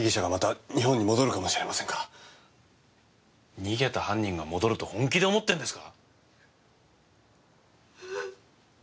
逃げた犯人が戻ると本気で思ってんですか？